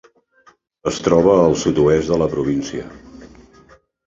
Es troba a sud-oest de la província.